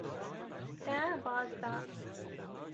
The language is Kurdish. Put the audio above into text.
Te baz da.